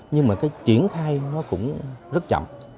nhưng mà cái triển khai nó cũng rất chậm